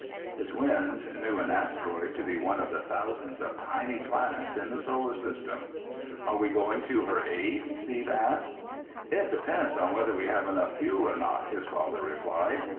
The twins knew an asteroid to be one of the thousands of tiny planets in the Solar System. "Are we going to her aid?" Steve asked. "It depends on whether we have enough fuel or not," his father replied.